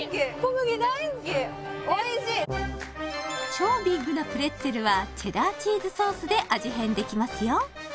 超ビッグなプレッツェルはチェダーチーズソースで味変できますよ